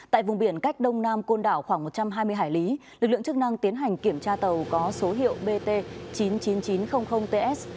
tại vùng biển cách đông nam côn đảo khoảng một trăm hai mươi hải lý lực lượng chức năng tiến hành kiểm tra tàu có số hiệu bt chín mươi chín nghìn chín trăm linh ts